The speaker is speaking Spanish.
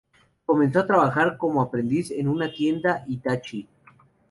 Comenzó a trabajar como aprendiz en una tienda Hitachi.